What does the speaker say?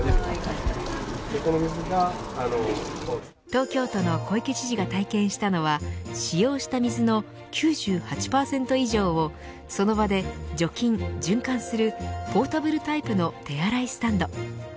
東京都の小池知事が体験したのは使用した水の９８％以上をその場で除菌、循環するポータブルタイプの手洗いスタンド。